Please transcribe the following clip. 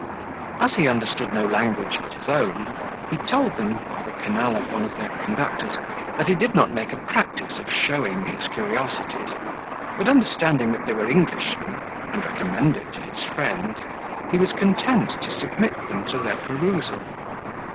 As he understood no language but his own, he told them, by the canal of one of their conductors, that he did not make a practice of showing his curiosities; but understanding that they were Englishmen, and recommended to his friends, he was content to submit them to their perusal.